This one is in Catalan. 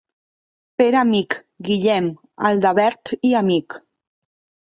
Pere Amic, Guillem, Aldebert i Amic.